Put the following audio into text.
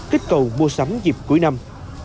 kích cầu mua sắm dịp cuối năm